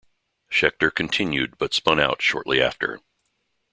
Scheckter continued but spun out shortly after.